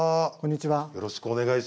よろしくお願いします。